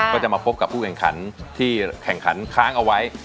ก็จะมาพบกับผู้แข่งขันที่แข่งขันค้างเอาไว้